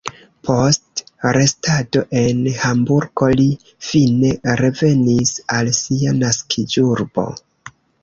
Post restado en Hamburgo li fine revenis al sia naskiĝurbo.